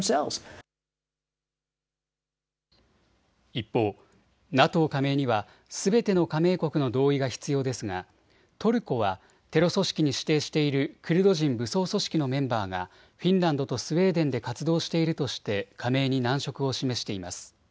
一方、ＮＡＴＯ加盟にはすべての加盟国の同意が必要ですがトルコはテロ組織に指定しているクルド人武装組織のメンバーがフィンランドとスウェーデンで活動しているとして加盟に難色を示しています。